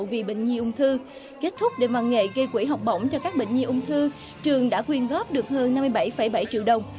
vì bệnh nhi ung thư kết thúc để mà nghệ gây quỹ học bổng cho các bệnh nhi ung thư trường đã quyên góp được hơn năm mươi bảy bảy triệu đồng